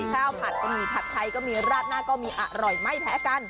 ผัดก็มีผัดไทยก็มีราดหน้าก็มีอร่อยไม่แพ้กัน